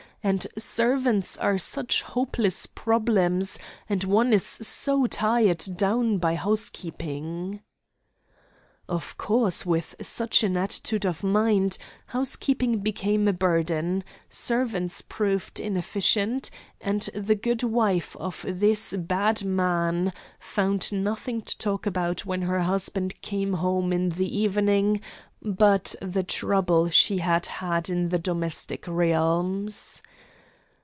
And servants are such hopeless problems; and one is so tied down by housekeeping.' Of course, with such an attitude of mind, housekeeping became a burden; servants proved inefficient; and the good wife of this bad man found nothing to talk about when her husband came home in the evening but the trouble she had had in the domestic realms.